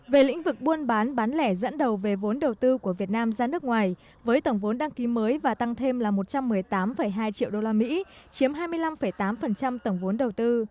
về lĩnh vực buôn bán bán lẻ dẫn đầu về vốn đầu tư của việt nam ra nước ngoài với tổng vốn đăng ký mới và tăng thêm là một trăm một mươi tám hai triệu usd chiếm hai mươi năm tám tổng vốn đầu tư